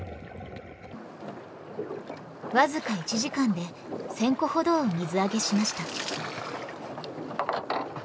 わずか１時間で１０００個ほどを水揚げしました。